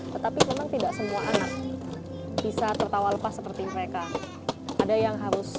tetapi memang tidak semua anak bisa tertawa lepas seperti mereka ada yang harus